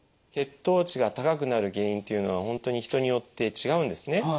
血糖値が高くなる原因っていうのは本当に人によって違うんですね。